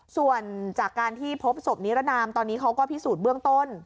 ส่วนจากการที่พบศพนิรนามตอนนี้เขาก็พิสูจน์เบื้องต้น